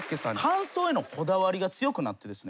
間奏へのこだわりが強くなってですね